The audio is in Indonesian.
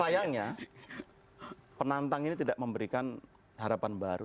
sayangnya penantang ini tidak memberikan harapan baru